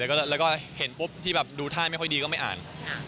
แล้วก็เห็นปุ๊บที่แบบดูท่าไม่ค่อยดีก็ไม่อ่าน